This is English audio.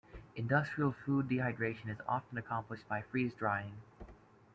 Industrial food dehydration is often accomplished by freeze-drying.